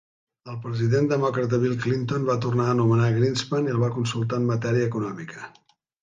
El president demòcrata, Bill Clinton, va tornar a nomenar Greenspan i el va consultar en matèria econòmica.